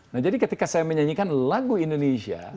nah jadi ketika saya menyanyikan lagu indonesia